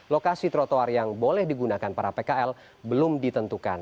lokasi trotoar yang boleh digunakan para pkl belum ditentukan